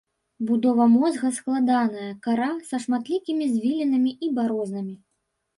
Будова мозга складаная, кара са шматлікімі звілінамі і барознамі.